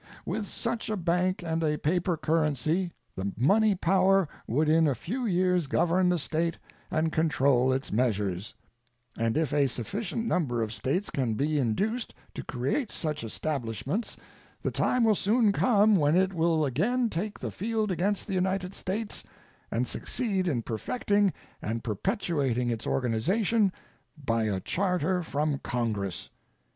With such a bank and a paper currency the money power would in a few years govern the State and control its measures, and if a sufficient number of States can be induced to create such establishments the time will soon come when it will again take the field against the United States and succeed in perfecting and perpetuating its organization by a charter from Congress.